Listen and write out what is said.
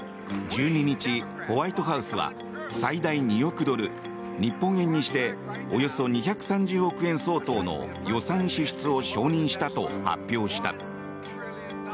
１２日、ホワイトハウスは最大２億ドル日本円にしておよそ２３０億円相当の予算支出を承認したと発表した。